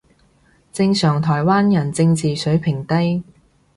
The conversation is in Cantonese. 正常台灣人正字水平低